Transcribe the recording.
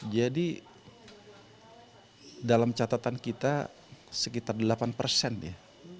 jadi dalam catatan kita sekitar delapan persen ya